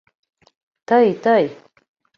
— Тый... тый...